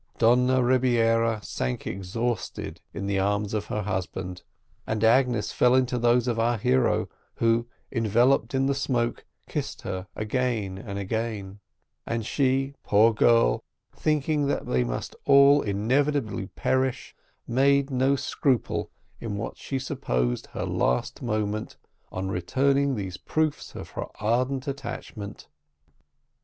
Donna Rebiera sank exhausted in the arms of her husband, and Agnes fell into those of our hero, who, enveloped in the smoke, kissed her again and again; and she, poor girl, thinking that they must all inevitably perish, made no scruple, in what she supposed her last moment, of returning these proofs of her ardent attachment.